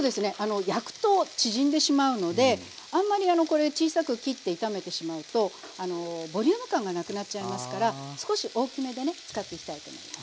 焼くと縮んでしまうのであんまりこれ小さく切って炒めてしまうとボリューム感がなくなっちゃいますから少し大きめでね使っていきたいと思います。